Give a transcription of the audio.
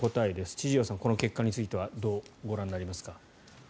千々岩さん、この結果についてはどうご覧になりますか？